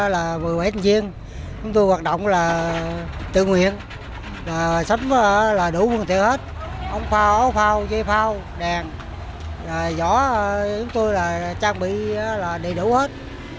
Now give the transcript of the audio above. là một mươi bảy nhân viên chúng tôi hoạt động là tự nguyện sắm là đủ nguồn tiện hết ống phao ống phao dây phao đèn giỏ chúng tôi là trang bị là đầy đủ hết